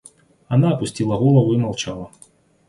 Она опустила голову и молчала.